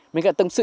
mình lại tâm sự